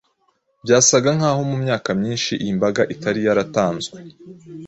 Byasaga nk’aho mu myaka myinshi iyi mbaraga itari yaratanzwe,